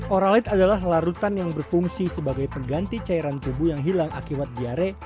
oralid adalah larutan yang berfungsi sebagai pengganti cairan tubuh yang hilang akibat diare